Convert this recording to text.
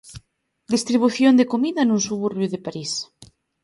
Distribución de comida nun suburbio de París.